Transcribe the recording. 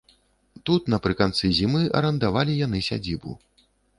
Тут напрыканцы зімы арандавалі яны сядзібу.